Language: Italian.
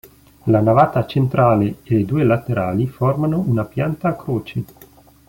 La navata centrale e le due laterali formano una pianta a croce.